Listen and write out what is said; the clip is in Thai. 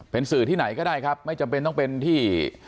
เป็นสื่อที่ไหนก็ได้ครับไม่จำเป็นต้องเป็นที่